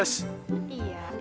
gak mau dihantar